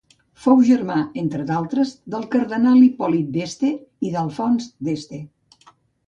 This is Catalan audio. Fou germà, entre d'altres, del cardenal Hipòlit d'Este i d'Alfons d'Este.